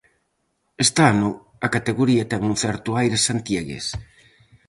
Este ano, a categoría ten un certo aire santiagués.